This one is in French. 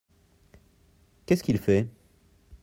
Qu’est-ce qu’il fait ?